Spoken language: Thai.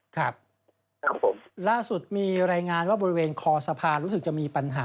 ครับผมล่าสุดมีรายงานว่าบริเวณขอสะพานรู้สึกจะ